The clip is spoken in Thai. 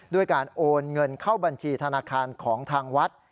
ด้วยการโอนเงินเข้าบัญชีธนาคารของทางวัด